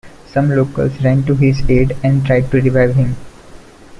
Some locals ran to his aid and tried to revive him.